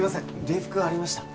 礼服ありました？